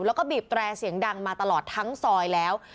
แล้วก็บีบแตรเสียงดังมาตลอดทั้งซอยแล้ว